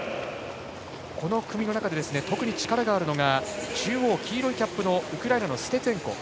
この組の中で特に力があるのが中央黄色いキャップのウクライナ、ステツェンコ。